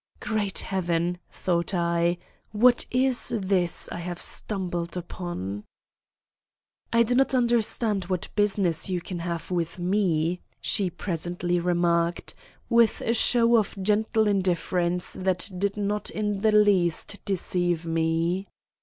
"Great heaven!" thought I, "what is this I have stumbled upon!" "I do not understand what business you can have with me," she presently remarked, with a show of gentle indifference that did not in the least deceive me.